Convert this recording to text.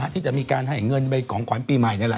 ที่จะมีการให้เงินไปของขวัญปีใหม่